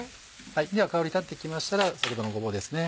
では香り立ってきましたら先ほどのごぼうですね。